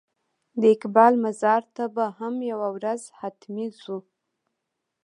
د اقبال مزار ته به هم یوه ورځ حتمي ځو.